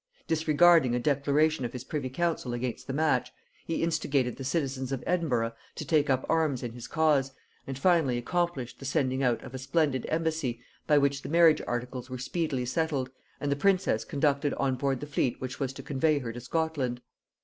Disregarding a declaration of his privy council against the match, he instigated the citizens of Edinburgh to take up arms in his cause, and finally accomplished the sending out of a splendid embassy, by which the marriage articles were speedily settled, and the princess conducted on board the fleet which was to convey her to Scotland.